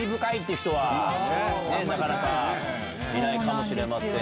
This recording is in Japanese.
なかなかいないかもしれません。